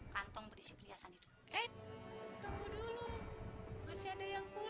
kantong berisi perhiasan itu